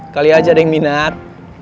kali aja ada yang minat